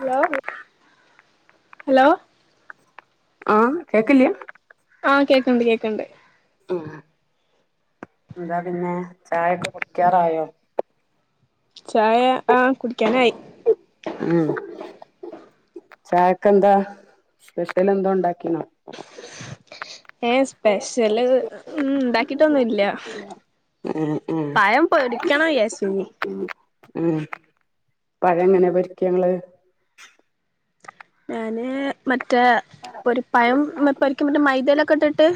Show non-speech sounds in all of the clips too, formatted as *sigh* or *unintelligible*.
Hello hello ആഹ് കേക്കില്ല്യ ആഹ് കേക്കണ്ട് കേക്കണ്ട് ആഹ് എന്താ പിന്നെ ചായൊക്കെ കുടിക്കാറായോ ചായ ആഹ് കുടിക്കാനായി ഉം ചായക്ക്ന്താ സ്പെഷ്യൽ എന്തോ ഉണ്ടാക്കീണോ ഏ സ്പെഷ്യല് ഉം ഇണ്ടാക്കിട്ടൊന്നുംല്ല ഉം പയം പൊടിക്കണം വിചാരിച്ചീനി ഉം ഉം പയം എങ്ങനെ പൊരിക്ക ഇങ്ങള് ഞാന് മറ്റേപ്പൊ ഒരു പഴം പൊരിക്കും മറ്റേ മൈദയിലൊക്കെ ഇട്ടിട്ട്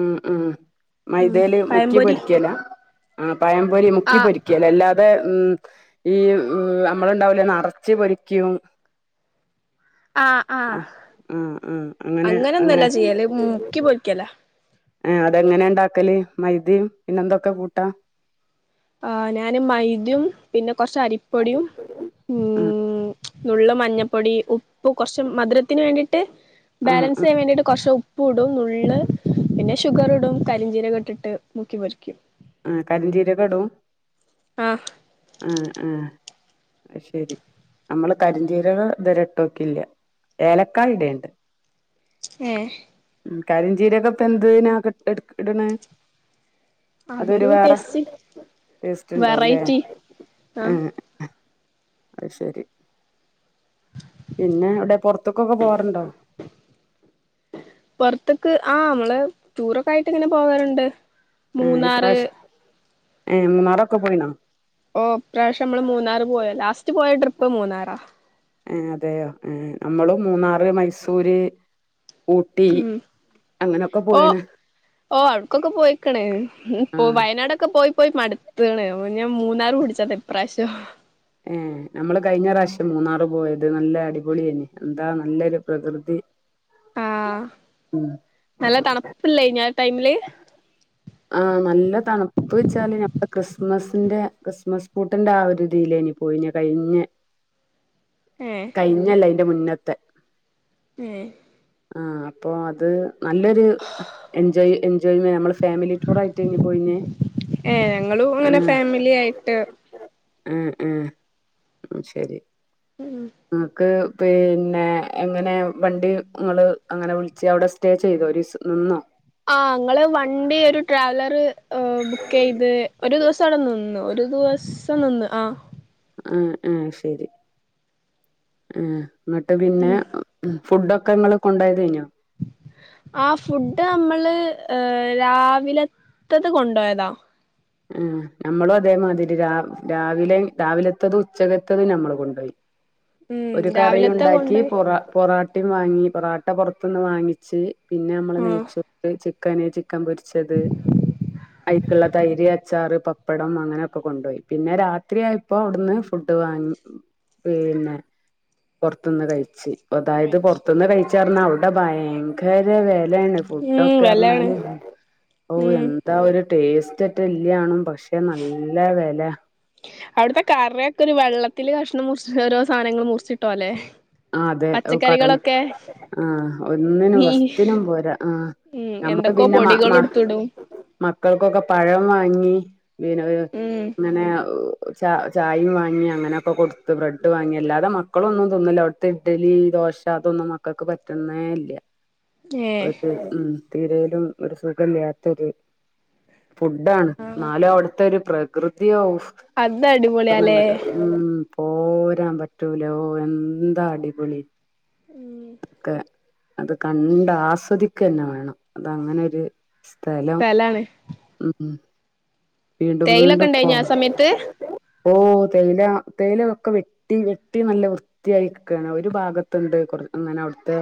ഉും ഉും ഉം മൈദയില് മുക്കി പഴംപൊരി പൊരിക്കല ആഹ് പഴം പൊരിമുക്കി ആഹ് പൊരിക്കല് അല്ലാതെ ഉും ഈ നമ്മള്ണ്ടാവൂലെ നറച്ചി പൊരിക്കും. ആഹ് ആഹ് ആഹ് ആഹ് അങ്ങനെ അങ്ങനെ അങ്ങനോന്നുംല്ല ചെയ്യല് മുക്കി പൊരിക്കല ആഹ് അതെങ്ങനെ ഉണ്ടാക്കല് മൈദിം പിന്നെ എന്തൊക്കെ കൂട്ടാ ആഹ് ഞാന് മൈദിം പിന്നെ കൊറച്ച് അരിപ്പൊടിയും ആഹ് ഉും നുള്ള് മഞ്ഞപ്പൊടി ഉപ്പ് കുറച്ച് മധുരത്തിന് വേണ്ടിയിട്ട് ആഹ് ബാലൻസ് ആഹ് ചെയ്യാൻ വേണ്ടിട്ട് കുറച്ച് ഉപ്പ ഉപ്പൂടും നുള്ള് പിന്നെ ഷുഗർ ഇടും കരിഞ്ചീരകം ഇട്ടിട്ട് മുക്കി പൊരിക്കും. ആഹ് കരിഞ്ചീരകടൂം ആഹ് ആഹ് ആഹ് ശെരി നമ്മള് കരിചീരക ഇത് രെ ഇട്ടോക്കില്ല ഏലക്കായ് ഇടൽണ്ട് ഏഹ് കരിഞ്ചീരകക്കെന്തിനാ ഇപ്പ ഇടണ് അതൊരു വേറെ ടേസ്റ്റ്ണ്ടാവുല്ലേ? വെറൈറ്റി ആഹ് അത് ശെരി പിന്നെ അവ്ടെ പുറത്ത്ക്കൊക്കെ പോവാാറുണ്ടോ? പുറത്ത്ക്ക് ആഹ് നമ്മള് ടൂറൊക്കെ ആയിട്ട് ഇങ്ങനെ പോകാറുണ്ട് ആഹ് മൂന്നാറ് ഇപ്രാവശ്യം ഏ മറൊക്കോ പോയിന്നോ? ഓ പ്രാവശ്യം നമ്മള് മൂന്നാറ് പോയ് ലാസ്റ്റ് പോയ ട്രിപ്പ് മൂന്നാറാ ഏ അതെയോ നമ്മളും മൂന്നാറ് മൈസൂര് ഊട്ടി ഉും അങ്ങനൊക്കെ ഓ പോയിണ് ഓ അട്ക്കൊക്കെ പോയിക്കണ് ഇപ്പോ ആഹ് വയനാടൊക്കെ പോയി പോയി മടുത്തണ് ഞൻ മൂന്നാറ് പുടിച്ചാതാ ഇപ്രാവശ്യം ഏ നമ്മള് കഴിഞ്ഞ പ്രാവശ്യം മൂന്നാറ് പോയത് നല്ല അടിപൊളിയെന്ന് എന്താ നല്ലൊരു പ്രകൃതി ആഹ് ഉം നല്ല തണുപ്പില്ലേ ഞാടൈമില്? *unintelligible* ആഹ് നല്ല തണുപ്പ് വെച്ചാല് ക്രിസ്മസിന്റെ ക്രിസ്മസ് പൂട്ടിന്റെ ആ ഒരുതിയിലേനി പോയിഞ്ഞ കഴിഞ്ഞ് ഹേ കഴിഞ്ഞല്ല അയിന്റെ മുന്നത്തെ ഹേ ആഹ് അപ്പൊ അത് നല്ലൊരു എൻജോയ് എൻജോയ്മെന് നമ്മള്സ്കു ഫാമിലി ടൂർ ആയിട്ട്അയിനു പോയിനേ ഏഹ് ഞങ്ങളും അങ്ങനെ ആഹ് ഫാമിലി ആയിട്ട് ആഹ് ആഹ് ഉും ശെരി ഉും ങ്ങക്ക് പിന്നെ എങ്ങനെ വണ്ടി ങ്ങള് അങ്ങനെ വിളിിച്ച അവിടെസ് സ്റ്റേ ചെയ്തോ ഒരിസം നിന്നോ ആ ങ്ങള് വണ്ടി ഒരു ട്രാവലറ് ആഹ് ബുക്ക് ചെയ്ത് ഒരു ദിവസം അവിടെ നിന്നു ഒരു ദിവസം നിന്ന് ആഹ് ആഹ് ആഹ് ശെരി. ആഹ് ങ്ങട്ട് പിന്നെ ഉം ഫുഡൊക്കെങ്ങള് ക്കൊണ്ടായത്അയിനോ? ആഹ് ഫുഡ് നമ്മള് ഏ രാവിലത്തത് കൊണ്ടുപോയതാ ആ നമ്മളും അതേമാതിരി രാവിലെ രാവിലത്തതും ഉച്ചകത്തതും നമ്മൾ കൊണ്ടുപോയി ഉം ഒരു കറി രാവിലത്തെ ഉണ്ടാക്കി കൊണ്ടോയി പൊറ പൊറോട്ട വാങ്ങി പൊറട്ട പൊറത്തൊന്ന് വാങ്ങിച്ച് പിന്നെ നമ്മള് ആഹ് നെയച്ചു ചിക്കന് ചിക്കൻ പൊരിച്ചത് അയ്ക്കുള്ള തൈര് ച്ചാറ് പപ്പടം അങ്ങനെയൊക്കെ കൊണ്ടുപോയി പിന്നെ രാത്രിയയപ്പോ അവിടുന്ന് ഫുഡ് വാങ്ങി പിന്നെ പുറത്തുന്ന് കഴിച്ചു അതായത് കഴിച്ചു പുറത്തന്ന് കഴിച്ച പറഞ്ഞാൽ അവിടെ ഭയങ്കര വിലയാണ് ഫുഡ ഉം വെലേണ് ഒക്കെറിഞ്ഞാല് ഓ ഉം എന്താ ഒരു ടേസ്റ്റ് ഇല്ല്യണും പക്ഷെ നല്ല വില അവിടുത്തെ കറൊക്കെ ഒരു വെള്ളത്തിൽ കഷ്ണം മുറിച്ച ഓരോ സാധനങ്ങളും മുറിച്ചിട്ടോ പോലെ ആഹ് അതെ കടൽ ആഹ ഒന്നിനും നീ വസ്ത്തിനും പോരാ ആഹ ഉം നമ്മള് എന്തൊക്കോ പിന്നെ പൊടികള് എടുത്തിടും മക്കൾക്കൊക്കെ പഴം വാങ്ങി പിന്നെ ഉം ഇങ്ങനെ ച ചായയും വാങ്ങി അങ്ങനെക്കെ കൊടുത്ത് ബ്രെഡ് വാങ്ങി അല്ലാതെ മക്കളും ഒന്നും തിന്നില്ല ഡലി ദോശ അതൊന്നും മക്കൾക്ക് പറ്റുന്നേല്ല ഏ ഒരു ഉ തീരയിലും ഒരു സുഖില്ലാത്തരു ഫുഡാണ് ന്നാലും അവിടുത്തെ ഒരു പ്ര പ്രകൃതിയോ അതാ അടിപൊളിയാലേ ഇങ്ങട്ട് ഉം പോരാൻ പറ്റൂല ഓ എന്താ അടിപൊളി ക്കെ അത് കണ്ട ആസ്വദിക്ക തന്നെ വേണം അത അങ്ങനെരു സ്ഥലം സ്ഥലാണ് ഉം വീണ്ടും തേയിലൊക്കെ വീണ്ടും പോ ഉണ്ടായിനോ ആ സമയത്ത് ഓ തേയില തേയില ഒക്കെ വെട്ടി വെട്ടി നല്ല വൃത്തിയായി ഒരു ഭാഗത്തുണ്ട് അങ്ങനെ അവിടുത്തെ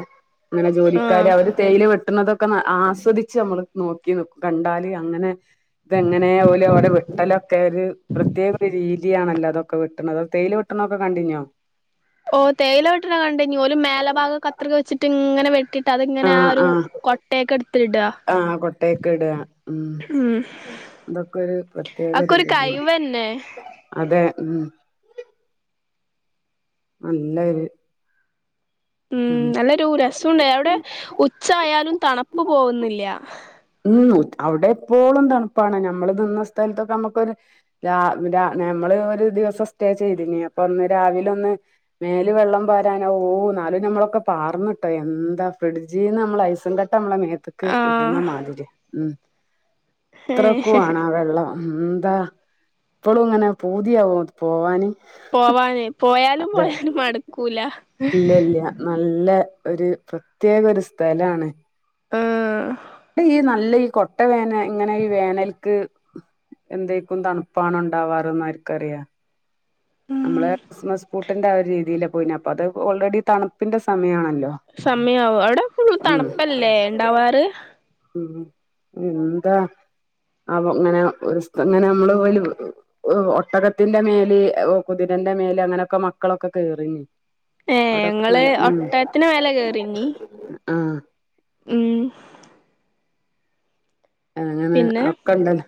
ഇങ്ങനെ ജോലിക്കർ ആഹ് അവര് തേയില് വെട്ടണൊക്കെ ഒ ആസ്വദിച്ച് നമ്മള് നോക്കി നിക്കും കണ്ടാല് അങ്ങനെ ഇതെങ്ങനെ ഓൽ ഓലെ വെട്ടലൊക്കെ ഒരു പ്രത്യേക രീതിയാണല്ലോ അതൊ ഒക്കെ വിട്ടണ അത് തേയില് വിട്ടണ ഒക്കെ കണ്ടിഞ്ഞോ ഓ തേയില വെട്ട കണ്ടേ ഇനി ഒരു മേല ഭാഗം കത്രിക വച്ചിട്ടിങ്ങനെ വെട്ടിട്ട് അതിങ്ങനെ ആ ആഹ് ഒരു ആഹ് കൊട്ടയൊക്കെ എടുത്തിട ആഹ് കൊട്ടയൊക്കെ ഇടുക ഉം അതൊക്കെ ഒരു പ്രത്യേക അതൊക്കെ ഒരു രീതിയാണ് കഴിവന്നെ അതെ ഉ നല്ലരു ഉം നല്ലൊരു രസംണ്ട് അവിടെ ഉച്ച ആയാലും തണുപ്പ് പോകുന്നില്ല ഉ അവിടെ എപ്പോളും തണുപ്പാണ് നമ്മള് നിന്ന സ്ഥലത്തൊക്കെ നമ്മുക്കൊരു രാ രാ ഞമ്മള് ഒരു ദിവസം സ്റ്റേ ചെയ്തിന് അപ്പൊ ഒന്ന് രാവില ഒന്ന് മേല് വെള്ളം പാരാന ഓ എന്നാലും നമ്മളൊക്കെ പാർന്നിട്ടോ എന്താ ഫ്രിഡ്ജീ നിന്ന് നമ്മൾ ഐസും ക പട്ടമ്മള മേത്തക്ക് ആഹ് ഇടുന്ന മാതിരി ഉ ഏഹ് ഇത്രക്കണ ആ വെള്ളം എന്താ ഇപ്പളും ഇങ്ങനെ പൂതിയാവും പോവാന് പോവാനേ പോയാലും അതെ പോയാലും മടക്കൂല ഇല്ല ഇല്ല നല്ല ഒരു പ്രത്യേക ഒരു സ്ഥലാണ് ആഹ് ഇടെ ഈ നല്ല ഈ കൊട്ട വേന ഇങ്ങനെ വേനൽക്ക് എന്തേക്കും തണുപ്പാണ് ഉണ്ടാവാറ്ന്ന് ആരിക്കറിയാ നമ്മള് ക്രിസ്മസ് പൂട്ടിന്റെ ആ ഒരു രീതിയില പോയിന അപ്പൊ അത് ഓൾറെഡി തണുപ്പിന്റെ സമയമാണല്ലോ സമയമാവും അവിടെ എപ്പളും തണുപ്പല്ലേ ഉണ്ടാവാറ് ഉ എന്താ ഇങ്ങനെ ഒരു ഇങ്ങനെ നമ്മള് പോ ഒട്ടകത്തിന്റെ മേല് കുതിരന്റെ മേല് അങ്ങനെയൊക്കെ മക്കളൊക്കെ കേയറിഞ്ഞ് ഏഹ് അവിടൊക്ക ഞങ്ങള് ഉം ഒട്ടകത്തിന് മേലെ കേറിഞ്ഞി ആഹ് ഉം അങ്ങനെ പിന്നെ ഒക്കണ്ടല്ലോ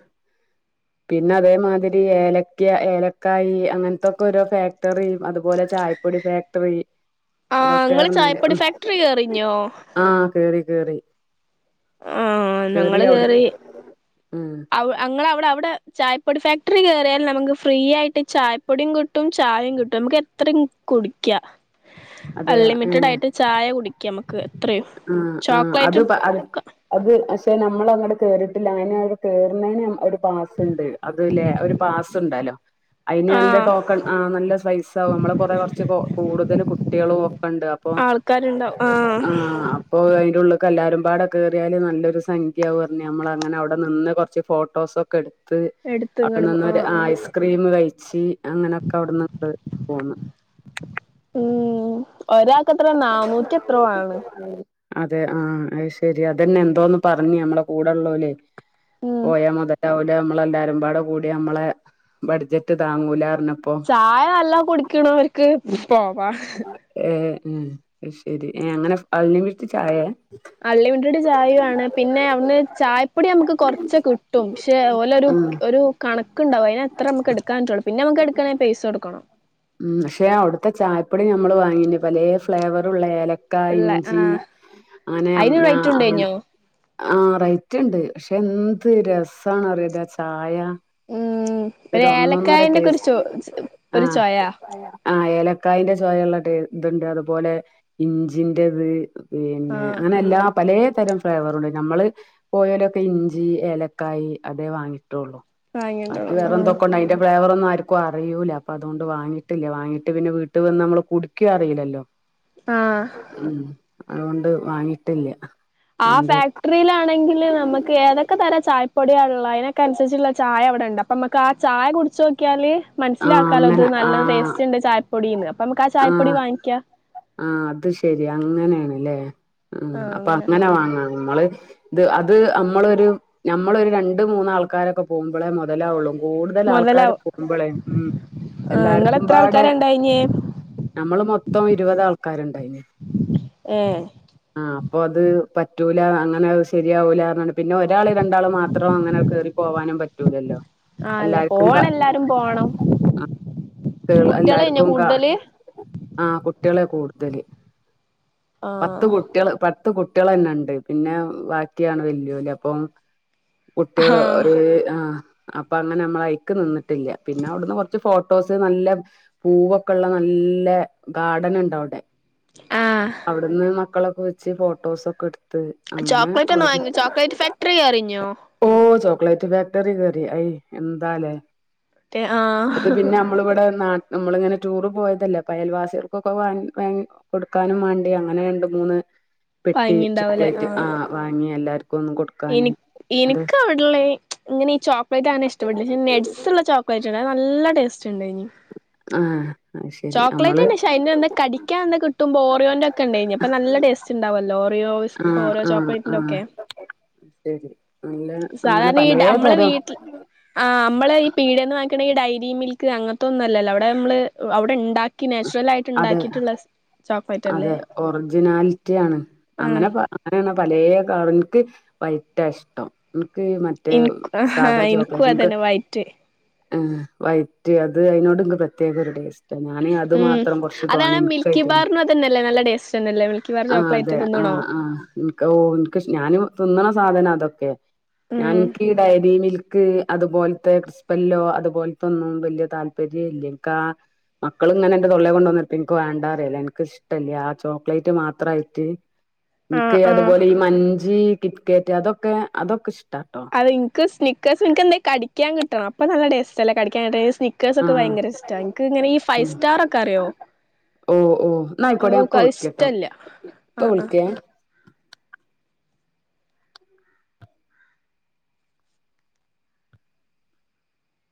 പിന്നെ അതേമാതിരി ഏലക്ക ഏലക്കായി അങ്ങൻത്തൊക്കോരോ ഫാക്ടറിം അതുപോലെ ചായ പ്പൊടി ഫാക്ടറി ആ അതൊക്കെ ങ്ങള് പറഞ്ഞാല് ചായപ്പൊടി ഉം ഫാക്ടറി കേറിന്യോ ആഹ് കേറി കേറി ആ ഞങ്ങള് കേറി ഉം അവ ഞങ്ങളവടെ അവടെ ചായപ്പൊടി ഫാക്ടറി കേറിയാൽ നമക്ക് ഫ്രീയായിട്ട് ചായപ്പൊടിം കിട്ടും ചായേം കിട്ടും നമക്ക് എ ത്രി മ് കുടിക്ക അതെയോ ഏഹ് അൺലിമിറ്റഡായിട്ട് ചായ കുടിക്ക മ്മക്ക് എത്രയും ആഹ് ആഹ് അത് ചോക്ലേറ്റും പ അത് അത് പക്ഷെ നമ്മള് അങ്ങട്ട് കേറിട്ടില്ല അയ്നവടെ കേറ്ണെനൊര് പാസ്ണ്ട് അത്ലെ ഒരു പാസ്ണ്ടെലോ അയിന് നല്ല ആഹ് ടോക്കൺ ആ നല്ല പൈസാവും അമ്മള് കൊറേ കൊർച്ച് കൂടുതൽ കു ട്ട്യാളൊക്കെണ്ട് അപ്പൊ ആൾക്കാരുണ്ടാവും ആഹ് ആ അപ്പോ അയ്ന്റുള്ള്ക്ക് എല്ലാരുംപാടെ കേറിയാല് നല്ലൊരു സംഖ്യയാവും ർഞ് ഞമ്മളങ്ങനവടെ നിന്ന് കൊർച്ച് ഫോ ട്ടോസൊക്കെ ഇട്ത്ത് എടുത്ത് അവടെ ഇങ്ങട് പോ നിന്നൊരു ആഹ് ആഹ് ഐസ് ക്രീം കഴിച്ച് അങ്ങനൊക്കെ അവ്ട്ന്ന് പോന്ന് ഉം ഒരാക്കെത്രെ നാന്നൂറ്റി എത്രോ ആണ് അതെ ആ അയ് ശെരി അതെന്നെ എന്തോന്ന് പർഞ് ഞമ്മളെ കൂടെള്ളോലെ ഉം പോയ മൊതലാവൂ ഞമ്മളെല്ലാരുംപാടെ കൂടി നമ്മെളെ ബഡ്ജറ്റ് താങ്ങൂല പർഞ്ഞപ്പോ ചായ നല്ലോ കുടിക്ക്ണോൽക്ക് പോവാ ഏ ഉം അയ് ശെരി ഏ അങ്ങനെ അൺ ലിമിറ്റ് ചായേ അൺലിമിറ്റെഡ് ചായാണ് പിന്നെ അവ്ട്ന്ന് ചായപ്പൊടി ഞമ്മക്ക് കൊർച്ച് കിട്ടും ക്ഷെ ഓലൊരു ഉം ഒരു കണക്ക്ണ്ടാവും അയ്നത്രേ ഞമ്മക്ക് എട്ക്കാൻറ്റുള്ളൂ പിന്നമ്മക്ക് എട്ക്കാണെങ്കി പൈസ കൊടുക്കണം ഉം പക്ഷെ അവ്ട്ത്തെ ചായപ്പൊടി ഞമ്മള് വാങ്ങീനി പലേ ഫ്ലേവറുള്ള ഏല ക്ക, ഇള്ള ഇഞ്ചി ആഹ് അങ്ങനെ അയിന് ഞ്ഞം ആ റേറ്റ് അങ്ങനെ ഉണ്ടേനോ ആഹ് റൈറ്റ്ണ്ട് പക്ഷെ എന്ത് രസാന്നറിയോന്നോലാ ചായ ഉം ഒരു ഒരൊന്നൊന്നര ഏലക്കായന്റെ ഒക്കെ ഒരു ടേസ്റ്റ് ചൊ ഒരു ആഹ് ചൊയാ ആ ഏലക്കായിന്റെ ചൊയള്ള ടേ ത്ണ്ട് അതുപോലെ ഇഞ്ചിന്റത് പിന്നെ ആഹ് അങ്ങനെല്ലാപ് പലേ തരം ഫ്ലേവറുണ്ട് ഞമ്മള് പോയോലൊക്കെ ഇഞ്ചി ഏലക്കായി അതേ വാങ്ങിട്ടൊള്ളു ബാക്കി വാങ്ങിണ്ടോണം ആഹ് വേറെന്തൊക്കൊണ്ട് അയ്ന്റെ ഫ്ലേവറൊന്നും ആര്ക്കും അറിയൂല്ല അപ്പതോ ണ്ട് വാങ്ങിട്ടില്ല വാങ്ങിട്ട് പിന്നെ വീട്ട് വന്ന് ഞമ്മള് കുടിക്കൊ അറീല്ലല്ലോ ആഹ് ഉം അതോണ്ട് വാങ്ങിട്ടില്ല ആ അണ്ട് ഫാക്ടറിയിലാണെങ്കില് നമ്മക്ക് ഏതൊക്കെ തര ചായപ്പൊടിയാള്ളെ അയ്നൊക്കെ അൻസര്ച്ച്ള്ള ചായ അവടെണ്ട് അപ്പമ്മക്കാ ചായ കുടിച്ചോക്ക്യാല് ആഹ് മൻസ്സ്ലാക്കാലോ ത് അങ്ങനെ നല്ല ആഹ് ടേസ്റ്റ്ണ്ട് ചായപ്പൊടീന്ന് അപ്പമ്മക്ക് ആ ചായപ്പൊടി വാങ്ങിക്കാ ആ അത് ശെരി അങ്ങനെണ്ല്ലേ അ അപ്പൊ അങ്ങനെ വാങ്ങാ നമ്മള് ത് അത് അമ്മളൊരു ഞമ്മളൊരു രണ്ട് മൂന്നാൾക്കാരൊക്കെ പോകുമ്പളേ മൊതലാവൊള്ളു കൂട്തലാൾക്കാര് മൊതലാവും പോകുമ്പളേ ഉം എല്ലാര്ക്കുംപാടെ ഇനേം ഞമ്മൾ മൊത്തം ഇരുപതാൾക്കാര്ണ്ടായ്ന് ഏഹ് ആഹ് അപ്പൊത് പറ്റൂല അങ്ങനെ ശെരിയാവൂലാർഞാണ്ട് പിന്നെ ഒരാള് രണ്ടാള് മാത്രം അങ്ങനെ കേറി പോവാനും പറ്റൂലല്ലോ ആഹ് അല്ല എല്ലാർക്കും കാ പോണം എല്ലാരും പോണം ഉം ക്ള്ള കുട്ട്യാളേന്യോ എല്ലാർക്കും കാ കൂടുതല് ആഹ് കുട്ടിയളെ കൂട്തല് പത്ത് ആഹ് കുട്ടിയള് പ ത്ത് കുട്ടിയെളന്നെണ്ട് പിന്നെ ബാക്കിയാണ് വെല്ല്യേല് അപ്പം. കുട്ടിയോള് ആഹ് ഒര് ആഹ് അപ്പ അങ്ങനെ അമ്മളയിക്ക് നിന്നിട്ടില്ല പിന്ന അവട്ന്ന് കൊറച്ച് ഫോട്ടോസ് നല്ല പൂവൊക്കെള്ള നല്ല ഗാർഡൻ ഉണ്ട് അവിടെ ആഹ് അവിടുന്ന് മക്കളൊക്കെ വെച്ച് ഫോട്ടോസൊക്കെ എടുത്ത് അങ്ങനെ ചോക്ലേറ്റ് ഒന്ന് അവിടുന്ന് വാങ്ങി ചോക്ലേറ്റ് ഫാക്ടറി കേറിഞ്ഞോ ഓ ചോക്ലേറ്റ് ഫാക്ടറി കേറി അയ് എന്താലേ അത് ആഹ് പിന്നെ ന മ്മള് ഇവിടെ നാ നമ്മളിങ്ങനെ ടൂറ് പോയതല്ലേ അപ്പം അയൽവാസികൾ ക്കൊക്കെ വാങ്ങി വാങ്ങി കൊടുക്കാനും മാണ്ടി അങ്ങനെ രണ്ട് മൂന്ന് പെട്ടി ചോക്ലേറ്റ് ആഹ് വാങ്ങി എല്ലാർക്കും ഒന്നും കൊടുക്ക എനി എനിക്ക് അവിടെള്ള ഈ ഇങ്ങനെ ഈ ചോക്ലേറ്റ് ആങ്ങനെ ഇഷ്ടപെട്ടില്ല പക്ഷേ നട്സ് ള്ള ചോ ക്ലളയ്റ്റ് നേ നല്ല ടേസ്റ്റ് ഇണ്ടേ നി ആഹ് അത് ശരി ചോക്ലേറ്റ നമ്മള് ന്നെ ക്ഷേ അയ്നൊന്ന് കടിക്കാൻ ഒന്ന് കിട്ടുമ്പോ ഓറിയോന്റെ ഒക്കെണ്ടേനി അപ്പ നല്ല ടേസ്റ്റ് ണ്ടാവുല്ലോ ഓറിയോ ആഹ് ഓരോ ആഹ് ചോക്ലേറ്റിന്റെ ആഹ് ഒക്കെ അഹ് ശരി നല്ല അങ്ങനെ സാധാരണ ഈ പലേ നമ്മളെ തരം വീട്ടിൽ ആ നമ്മള് ഈ പീടിന്ന് വാങ്ങിക്ക്ണ ഈ ഡയരി മിൽക്ക് അങ്ങനത്തെ ഒന്നുംല്ലല്ലോ അവിടെ നമ്മള് അവിടെ ണ്ടാ ക്കി നാച്ചുറൽ ആയിട്ട് അതെ ഇണ്ടാക്കിയിട്ട്ള്ള അതെ ഒറിജിനാലിറ്റി ആണ് ആ അങ്ങനെ പ റിണ പലേ കളറും ഇൻക്ക് വൈറ്റാ ഇഷ്ടം ഇൻക്ക് മറ്റേ സാധാ എനിക്കും ചോക്ലേറ്റ് ഇൻക്ക അതന്നെ ഹ് വൈറ്റ് ആ വൈറ്റ് അത് അയിനോട് ൻക്ക് പ്രത്യേക ഒരു ടേസ് റ്റാ ഞാന് അത് മാത്രം കൊറ്ച്ച് തോനെ ഇൻക്കായിറ്റന്നെ ന്നല്ല നല്ല ടേസ്റ്റ്ന്നല്ലേ ബാർ ആഹ് ചോക്ലേറ്റ് അതെ തിന്ന്ണോ ആഹ് ആഹ് നിക്ക് ഓ ഇൻക്ക് ഞന് തിന്ന്ണ സാധനം അതൊക്കെ ഞാൻ ഉം ഇൻക്ക്ഈ ഡയരി മിൽ ക്ക് അതുപോലത്തെ ക്രിസ്പല്ലോ അതുപോലത്തൊന്നും വല്ല്യ താല്പരേ ഇല്ല ഇൻക്ക് ആ മക്കള് ഇങ്ങനെ ഇന്റെ തൊള്ളെ കൊണ്ട് വന്ന് ർത്ത ഇൻക്ക് വേണ്ട അറിയലാ ഞാൻ ക്ക് ഇഷ്ടല്ല ആ ചോക്ലേറ്റ് മാത്രായിട്ട് ആഹ് ഇൻക്ക് ആഹ് അതുപോലെ ഈ മഞ്ച് കിറ്റ്ക്കേറ്റ് അതൊക്കെ അതൊക്കെ ഇഷ്ടാട്ടോ അത് ഇൻക്ക് സ്നിക്കേസ് ഇൻക്ക് എന്തേ കടിക്കാൻ കിട ണ്ണം അപ്പൊ നല്ല ടേസ്റ്റ ല്ലേ കടിക്കാൻ ടേസ് നി ക്കേസ് ഒക്കെ ആഹ് ഭയങ്കര ഇഷ്ട ഇൻക്ക് ഇങ്ങന ഈ ഫൈ ഫ് സ്റ്റാർ ഒക്കെ അറിയോ ഓ ഓ ഇന്നായിക്കോട്ടെ ഞാ ഓക്ക് ഇപ്പൊ അത് വിളിക്കട്ടോ ഇഷ്ടല്ല ഇപ്പൊ ആഹ് ആഹ് വിളിക്കേ